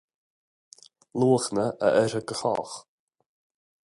Luachanna a oirfidh do chách